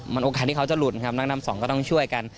มันโอกาสที่เขาจะหลุดครับนักนำสองก็ต้องช่วยกัน